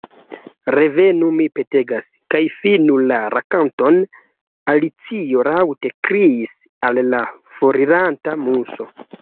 “Revenu, mi petegas, kaj finu la rakonton,” Alicio laŭte kriis al la foriranta Muso.